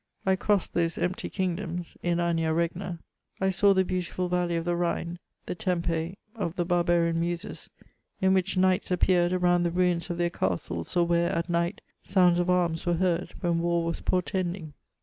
I crossed those empty kingdoms (inania regna) : 1 saw the beautiful valley of the Rhine, the Tempo of the barbarian muses, in which knights appeared around the ruins of their castles, or where, ait night, sounds of arms were heard, when war was portending.